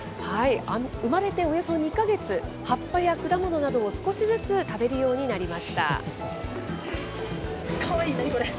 生まれておよそ２か月、葉っぱや果物などを少しずつ食べるようになりました。